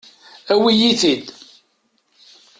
Awi-iyi-t-id.